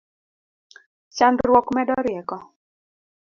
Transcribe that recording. Chandruok medo rieko